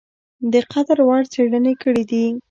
د قدر وړ څېړني کړي دي ۔